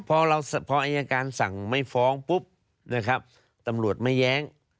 พอเราพออายการสั่งไม่ฟ้องปุ๊บนะครับตำรวจไม่แย้ง